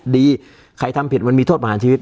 ดีใครทำผิดมันมีโทษประหารชีวิต